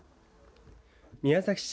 宮崎市